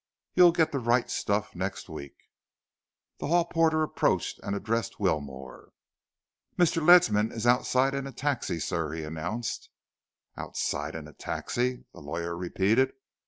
You'll get the right stuff next week." The hall porter approached and addressed Wilmore. "Mr. Ledsam is outside in a taxi, sir," he announced. "Outside in a taxi?" the lawyer repeated.